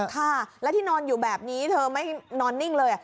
ค่ะแล้วที่นอนอยู่แบบนี้เธอไม่นอนนิ่งเลย